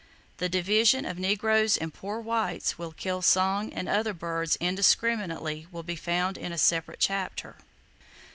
The Division of Negroes and Poor Whites who kill song and other birds indiscriminately will be found in a separate chapter.